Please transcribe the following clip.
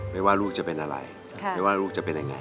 ไม่ว่าลูกจะเป็นอะไรไม่ว่าลูกจะเป็นยังไง